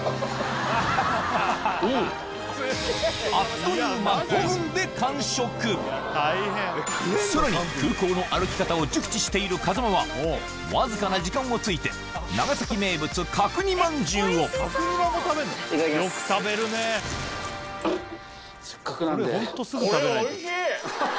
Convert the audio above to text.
あっという間さらに空港の歩き方を熟知している風間はわずかな時間をついて長崎名物角煮まんじゅうをいただきます。